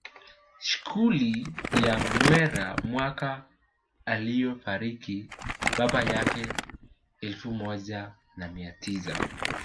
Skuli ya Mwera mwaka aliofariki baba yake elfu moja na mia tisa